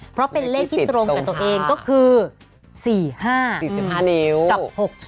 เพราะเป็นเลขที่ตรงกับตัวเองก็คือ๔๕๔๕นิ้วกับ๖๐